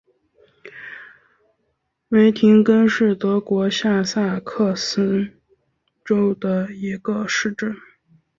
维廷根是德国下萨克森州的一个市镇。